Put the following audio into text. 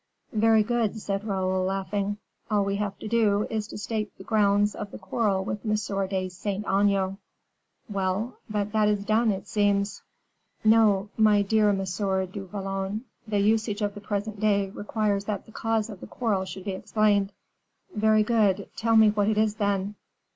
"Very good," said Raoul, laughing. "All we have to do is to state the grounds of the quarrel with M. de Saint Aignan." "Well, but that is done, it seems." "No, my dear M. du Vallon, the usage of the present day requires that the cause of the quarrel should be explained." "Very good. Tell me what it is, then."